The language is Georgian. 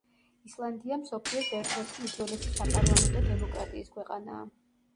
ისლანდია მსოფლიოს ერთ-ერთი უძველესი საპარლამენტო დემოკრატიის ქვეყანაა.